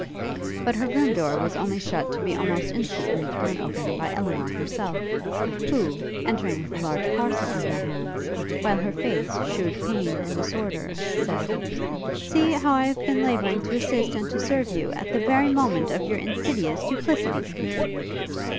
But her room door was only shut to be almost instantly thrown open by Elinor herself, who, entering with a large parcel in her hands, while her face shewed pain and disorder, said, 'See how I have been labouring to assist and to serve you, at the very moment of your insidious duplicity!'